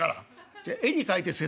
「じゃ絵に描いて説明」。